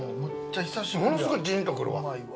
ものすごいジンと来るわ。